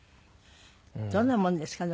どんなもんですかね？